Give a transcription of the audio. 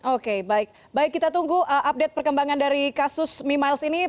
oke baik baik kita tunggu update perkembangan dari kasus mimiles ini